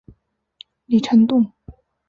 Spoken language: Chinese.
李成栋。